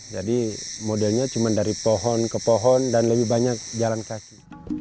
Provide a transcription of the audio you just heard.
jadi modelnya cuma dari pohon ke pohon dan lebih banyak jalan kaki